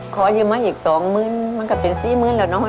ขอยืมมาอีก๒๐๐๐๐ปลู๊ง